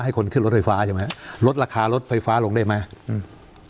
คนขึ้นรถไฟฟ้าใช่ไหมลดราคารถไฟฟ้าลงได้ไหมอืม